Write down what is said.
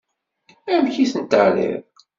Amek i ten-terriḍ?